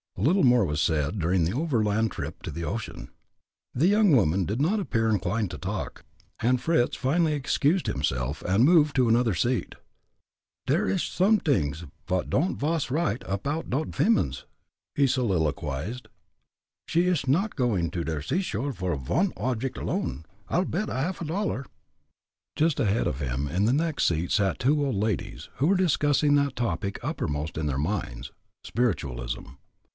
Little more was said during the overland trip to the ocean. The young woman did not appear inclined to talk, and Fritz finally excused himself, and moved to another seat. "Der ish somedings vot don'd vas right apoud dot vimmens," he soliloquized. "She ish not goin' to der sea shore for vone object alone, I'll bet a half dollar." Just ahead of him, in the next seat, sat two old ladies, who were discussing that topic uppermost in their minds spiritualism.